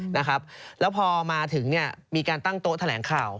แล้วพอมาถึงมีการตั้งโต๊ะแถลงข่าว